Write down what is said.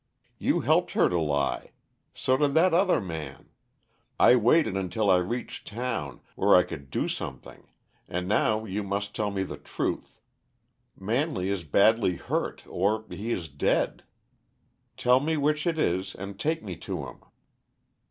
You helped her to lie. So did that other man. I waited until I reached town, where I could do something, and now you must tell me the truth. Manley is badly hurt, or he is dead. Tell me which it is, and take me to him."